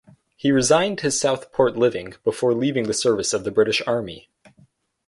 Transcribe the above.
He resigned his Southport living before leaving the service of the British Army.